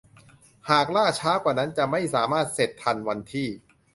หากล่าช้ากว่านั้นจะไม่สามารถเสร็จทันวันที่